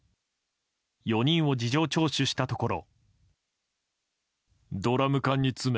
４人を事情聴取したところ。